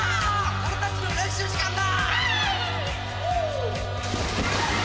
俺たちの練習時間だ！